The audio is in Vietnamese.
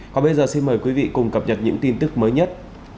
còn bây giờ xin mời quý vị cùng cập nhật những tin tức mới nhất